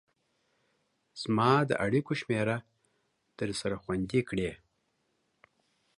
زما د اړيكو شمېره درسره خوندي کړئ